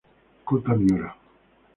Kōta Miura